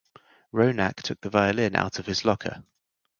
Ronak took the violin out of his locker.